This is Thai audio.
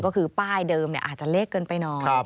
ก็คือป้ายเดิมอาจจะเล็กเกินไปหน่อย